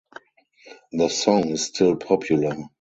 The song is still popular.